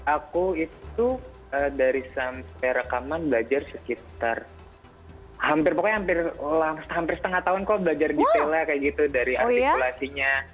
aku itu dari sampai rekaman belajar sekitar hampir pokoknya hampir setengah tahun kok belajar detailnya kayak gitu dari artikulasinya